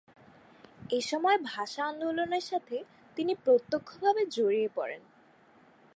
এসময় ভাষা আন্দোলনের সাথে তিনি প্রত্যক্ষভাবে জড়িয়ে পড়েন।